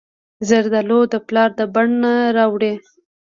زردالو د پلار د بڼ نه راوړي.